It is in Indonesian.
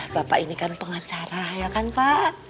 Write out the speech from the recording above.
bapak ini kan pengacara ya kan pak